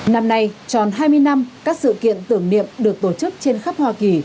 năm nay tròn hai mươi năm các sự kiện tưởng niệm được tổ chức trên khắp hoa kỳ